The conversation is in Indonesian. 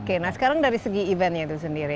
oke nah sekarang dari segi eventnya itu sendiri